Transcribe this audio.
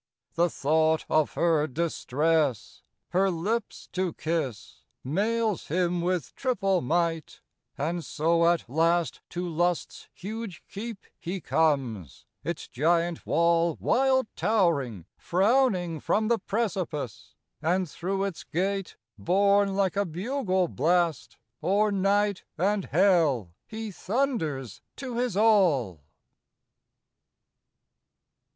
The thought of her distress, her lips to kiss, Mails him with triple might; and so at last To Lust's huge keep he comes; its giant wall, Wild towering, frowning from the precipice; And through its gate, borne like a bugle blast, O'er night and hell he thunders to his all.